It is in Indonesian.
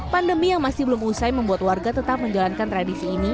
pandemi yang masih belum usai membuat warga tetap menjalankan tradisi ini